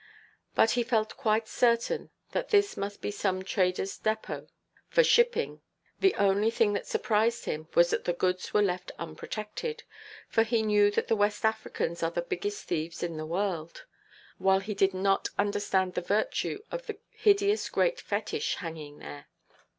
But he felt quite certain that this must be some traderʼs depôt for shipping: the only thing that surprised him was that the goods were left unprotected. For he knew that the West Africans are the biggest thieves in the world, while he did not understand the virtue of the hideous great Fetich, hanging there.